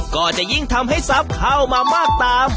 ก็จะยิ่งทำให้ทรัพย์เข้ามามากตาม